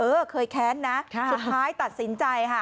เออเคยแค้นนะสุดท้ายตัดสินใจค่ะ